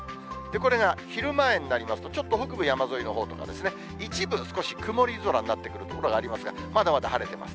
これが昼前になりますと、ちょっと北部、山沿いのほうとか一部、少し曇り空になってくる所がありますが、まだまだ晴れてます。